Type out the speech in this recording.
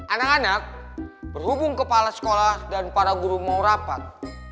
anak anak berhubung kepala sekolah dan para guru mau rapat